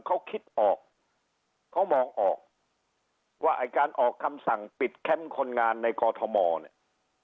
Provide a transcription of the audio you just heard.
เขาคิดออกเขามองออกว่าไอ้การออกคำสั่งปิดแคมป์คนงานในกอทมเนี่ย